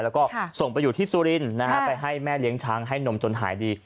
แล้วก็ส่งไปอยู่ที่สุรินทร์นะฮะไปให้แม่เลี้ยงช้างให้นมจนหายดี